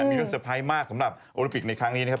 มีรู้สึกสบายมากสำหรับโอลิปิกในครั้งนี้นะครับ